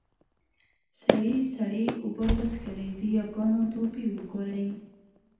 سړي سړې اوبۀ وڅښلې . د ياګانو توپير وګورئ!